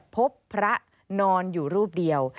พบพระนอนอยู่รูปเดียว